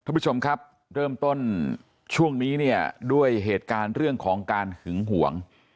ท่านผู้ชมครับเริ่มต้นช่วงนี้เนี่ยด้วยเหตุการณ์เรื่องของการหึงห่วง